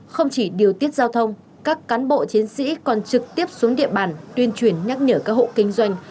không chỉ điều tiết giao thông các cán bộ chiến sĩ còn trực tiếp xuống địa bàn tuyên truyền nhắc nhở các hộ kinh doanh